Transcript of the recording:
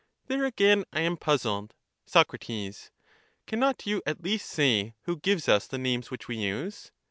There again I am puzzled. Soc. Cannot you at least say who gives us the names which we use?